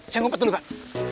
saya ngumpet dulu pak